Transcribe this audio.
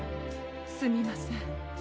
すみません。